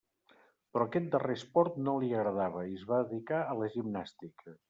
Però aquest darrer esport no li agradava, i es va dedicar a la gimnàstica.